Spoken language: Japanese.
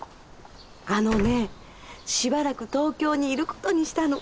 あのねしばらく東京にいることにしたの。